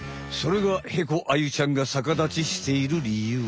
それがヘコアユちゃんが逆立ちしている理由。